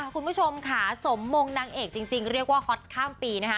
คุณผู้ชมค่ะสมมงนางเอกจริงเรียกว่าฮอตข้ามปีนะคะ